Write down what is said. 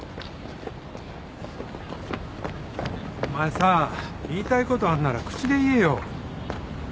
お前さ言いたいことあんなら口で言えよ。